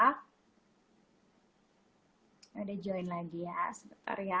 hai ada join lagi ya sebentar ya